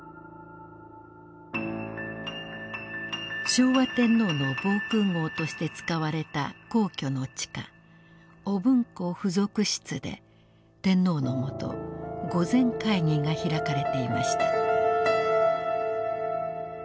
昭和天皇の防空ごうとして使われた皇居の地下御文庫附属室で天皇のもと御前会議が開かれていました。